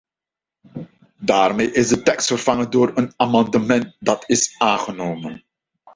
Daarmee is de tekst vervangen door een amendement dat is aangenomen.